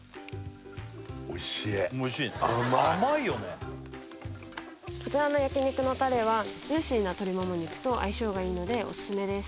おいしいね甘いよねこちらの焼肉のタレはジューシーな鶏もも肉と相性がいいのでお薦めです